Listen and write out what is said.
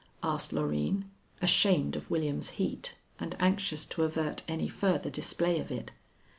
asked Loreen, ashamed of William's heat and anxious to avert any further display of it.